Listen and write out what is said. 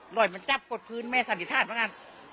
หล่อยมันจับกดพื้นแม่สันติธาตุบ้างกัน